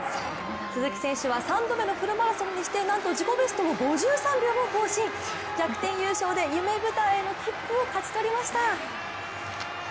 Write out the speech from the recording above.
鈴木選手は３度目のフルマラソンにしてなんと自己ベストを５３秒も更新、逆転優勝で夢舞台への切符を勝ち取りました。